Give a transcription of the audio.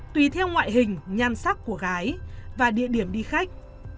tùy theo ngoại hình nhan sắc của gái và địa điểm đi khách